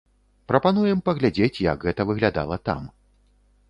Прапануем паглядзець, як гэта выглядала там.